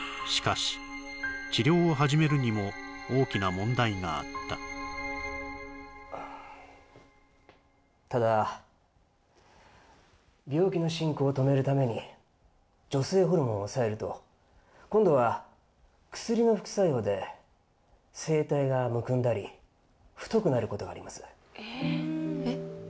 しかしあったただ病気の進行を止めるために女性ホルモンを抑えると今度は薬の副作用で声帯がむくんだり太くなることがありますえっ？